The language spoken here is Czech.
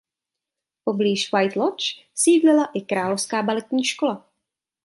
Poblíž "White Lodge" sídlila i Královská baletní škola.